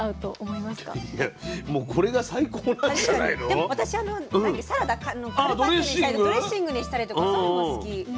でも私サラダカルパッチョにしたりドレッシングにしたりとかそういうのも好き。